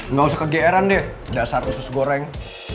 nggak usah ke gr an deh dasar khusus goreng